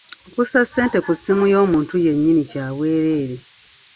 Okussa ssente ku ssimu y'omuntu yennyini kya bwereere.